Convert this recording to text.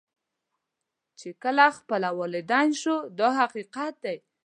چې کله خپله والدین شو دا حقیقت دی.